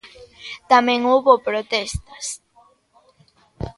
Tamén houbo protestas.